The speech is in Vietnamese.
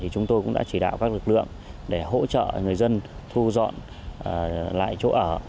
chúng tôi cũng đã chỉ đạo các lực lượng để hỗ trợ người dân thu dọn lại chỗ ở